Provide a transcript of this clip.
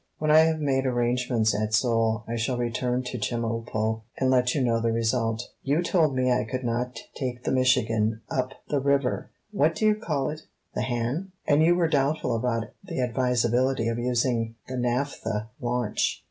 When I have made arrangements at Seoul I shall return to Chemulpo and let you know the result." "You told me I could not take the 'Michigan' up the river, what do you call it, the Han? and you were doubtful about the advisability of using the naphtha launch."